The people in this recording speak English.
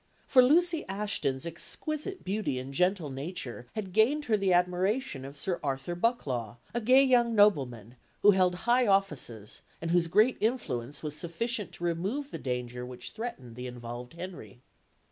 For Lucy Ashton's exquisite beauty and gentle nature had gained her the admiration of Sir Arthur Bucklaw, a gay young nobleman, who held high offices, and whose great influence was sufficient to remove the danger which threatened the involved Henry.